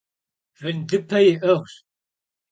Vındıpe yi'ığş.